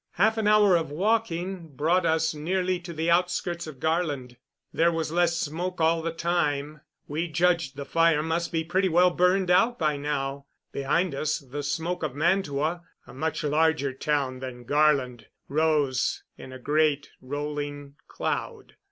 Half an hour of walking brought us nearly to the outskirts of Garland. There was less smoke all the time. We judged the fire must be pretty well burned out by now. Behind us the smoke of Mantua, a much larger town than Garland, rose in a great rolling cloud.